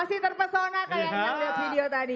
masih terpesona kalian yang nonton video tadi